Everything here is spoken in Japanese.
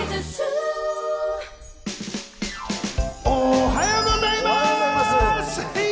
おはようございます！